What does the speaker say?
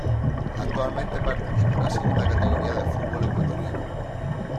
Actualmente participa en la Segunda Categoría del fútbol ecuatoriano.